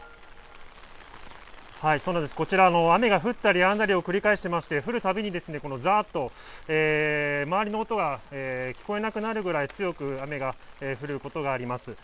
そうなんです、こちら雨が降ったりやんだりを繰り返していまして、降るたびにこのざーっと、周りの音が聞こえなくなるくらい強く雨が降ることがあります。